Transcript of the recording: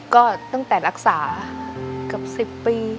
ก็ตั้งแต่รักษากับสิบปี